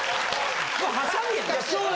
もうハサミやな。